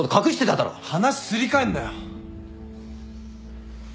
話すり替えんなよ。